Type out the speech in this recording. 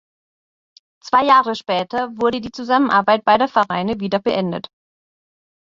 Zwei Jahre später wurde die Zusammenarbeit beider Vereine wieder beendet.